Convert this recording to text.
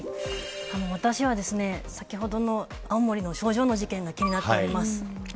私は、先ほどの青森の症状の事件が気になっております。